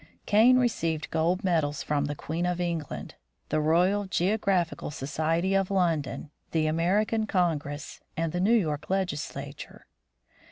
Kane received gold medals from the Queen of England, the Royal Geographical Society of London, the American Congress, and the New York Legislature.